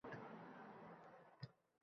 Аmmo yuzlab yozdi kitob